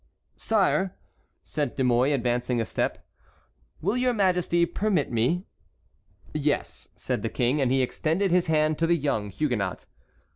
"Sire," said De Mouy, advancing a step, "will your Majesty permit me?" "Yes," said the King, and he extended his hand to the young Huguenot.